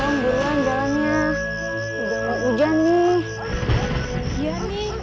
ntar aku samizahin ih